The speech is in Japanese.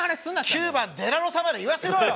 ９番デラロサまで言わせろよ！